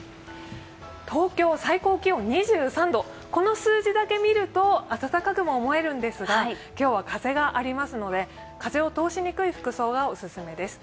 東京、最高気温２３度、この数字だけ見ると暖かくも思えるんですが今日は風がありますので、風を通しにくい服装がオススメです。